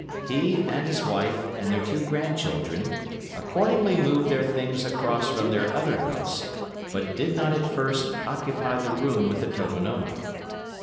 He, and his wife, and their two grandchildren accordingly moved their things across from their other house, but did not at first occupy the room with the tokonoma.